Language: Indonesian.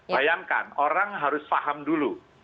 bayangkan orang harus paham dulu